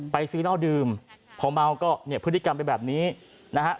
ไปซื้อเหล้าดื่มพอเมาก็พฤติกรรมไปแบบนี้นะครับ